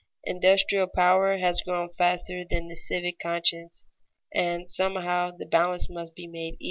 Industrial power has grown faster than the civic conscience, and somehow the balance must be made even.